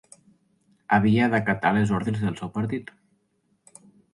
Havia d'acatar les ordres del seu partit